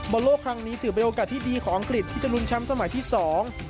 บอลโลกครั้งนี้ถือเป็นโอกาสที่ดีของอังกฤษที่จะลุ้นแชมป์สมัยที่สอง